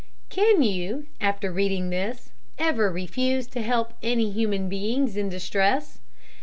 Can you, after reading this, ever refuse to help any human beings in distress?